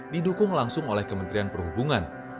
didukung langsung oleh kementerian perhubungan